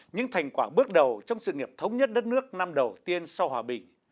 những thành quả bước đầu trong sự nghiệp thống nhất đất nước năm đầu tiên sau hòa bình